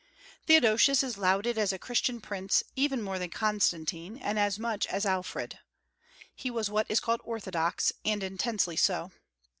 Theodosius is lauded as a Christian prince even more than Constantine, and as much as Alfred. He was what is called orthodox, and intensely so.